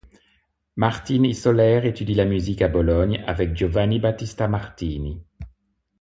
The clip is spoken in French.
Martín y Soler étudie la musique à Bologne avec Giovanni Battista Martini.